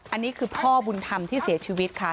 อันนี้คือพ่อบุญธรรมที่เสียชีวิตค่ะ